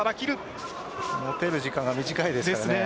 持てる時間が短いですからね。